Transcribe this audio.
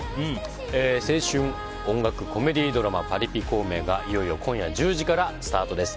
青春音楽コメディードラマ「パリピ孔明」がいよいよ今夜１０時からスタートです。